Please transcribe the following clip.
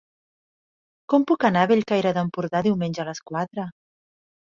Com puc anar a Bellcaire d'Empordà diumenge a les quatre?